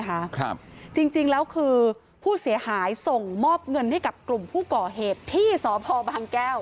ครับจริงจริงแล้วคือผู้เสียหายส่งมอบเงินให้กับกลุ่มผู้ก่อเหตุที่สพบางแก้ว